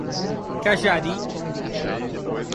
Cajari